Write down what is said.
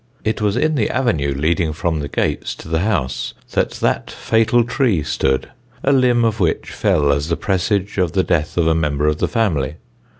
It was in the avenue leading from the gates to the house that that fatal tree stood, a limb of which fell as the presage of the death of a member of the family.